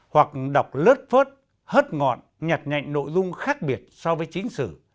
hoặc đọc lớt phớt hớt ngọn nhặt nhạnh nội dung khác biệt so với chính xử